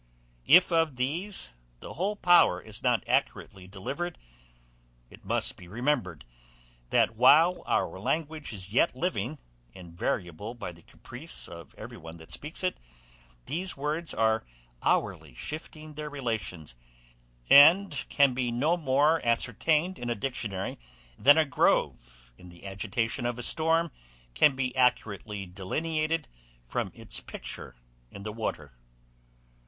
If of these the whole power is not accurately delivered, it must be remembered, that while our language is yet living, and variable by the caprice of every one that speaks it, these words are hourly shifting their relations, and can no more be ascertained in a dictionary, than a grove, in the agitation of a storm, can be accurately delineated from its picture in the water.